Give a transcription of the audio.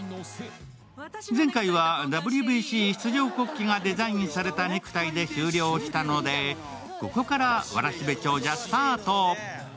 前回はＷＢＣ出場国旗がデザインされたネクタイで終了したので、ここからわらしべ長者スタート。